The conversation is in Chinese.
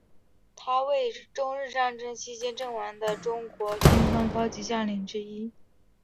他为中日战争期间阵亡的中国军方高级将领之一。